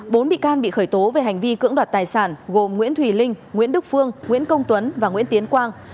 bốn bị can bị khởi tố về hành vi cưỡng đoạt tài sản gồm nguyễn thùy linh nguyễn đức phương nguyễn công tuấn và nguyễn tiến quang